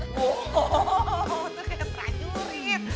wow kayak trajurit